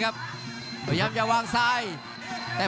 รับทราบบรรดาศักดิ์